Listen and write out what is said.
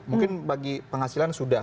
mungkin bagi penghasilan sudah